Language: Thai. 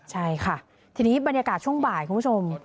ใช่ค่ะทีนี้บรรยากาศช่วงบ่ายคุณผู้ชม